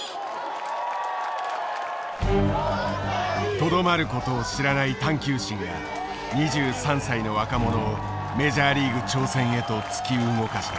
とどまることを知らない探求心が２３歳の若者をメジャーリーグ挑戦へと突き動かした。